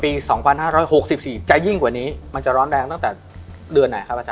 ปี๒๕๖๔จะยิ่งกว่านี้มันจะร้อนแรงตั้งแต่เดือนไหนครับอาจาร